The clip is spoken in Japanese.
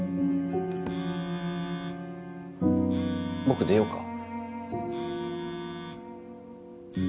僕出ようか？